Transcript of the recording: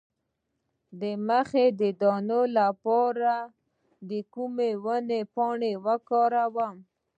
د مخ د دانو لپاره د کومې ونې پاڼې وکاروم؟